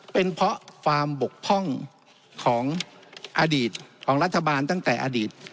เป็นเพราะความบกพร่องของอดีตของรัฐบาลตั้งแต่อดีต